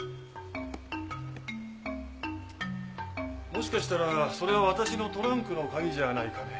もしかしたらそれは私のトランクの鍵じゃないかね？